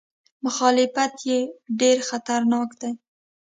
مخالفت یې ډېر خطرناک دی.